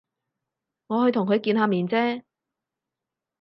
我去同佢見下面啫